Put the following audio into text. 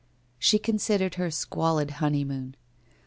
She considered her squalid honeymoon